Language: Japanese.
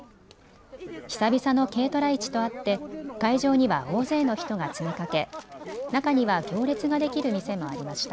久々の軽トラ市とあって会場には大勢の人が詰めかけ中には行列ができる店もありました。